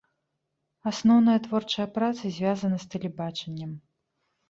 Асноўная творчая праца звязана з тэлебачаннем.